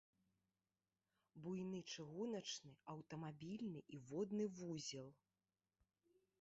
Буйны чыгуначны, аўтамабільны і водны вузел.